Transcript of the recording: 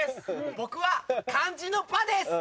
僕は漢字の「巴」です。